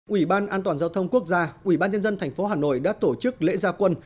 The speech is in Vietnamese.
ủy ban an toàn giao thông quốc gia ủy ban nhân dân tp hà nội đã tổ chức lễ gia quân